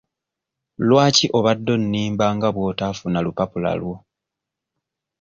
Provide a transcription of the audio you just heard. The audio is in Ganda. Lwaki obadde onnimba nga bw'otaafuna lupapula lwo?